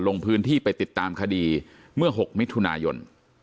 ลงพื้นที่ไปติดตามคดีเมื่อ๖มิถุนายน